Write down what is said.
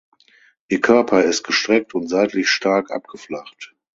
Ihr Körper ist gestreckt und seitlich stark abgeflacht.